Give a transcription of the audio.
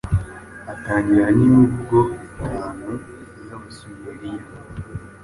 atangirana nimivugo itanu yAbasumeriya